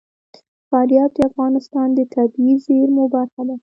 فاریاب د افغانستان د طبیعي زیرمو برخه ده.